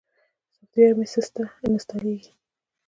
سافټویر مې سسته انستالېږي.